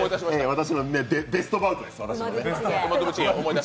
私のベストパートです。